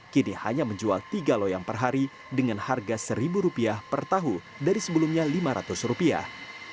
kini hanya menjual tiga loyang per hari dengan harga seribu rupiah per tahu dari sebelumnya lima ratus rupiah